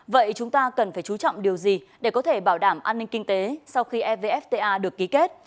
vậy chúng ta cần phải chú trọng điều gì để có thể bảo đảm an ninh kinh tế sau khi evfta được ký kết